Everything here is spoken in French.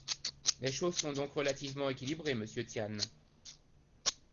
Les choses sont donc relativement équilibrées, monsieur Tian.